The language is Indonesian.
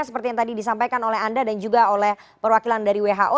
seperti yang tadi disampaikan oleh anda dan juga oleh perwakilan dari who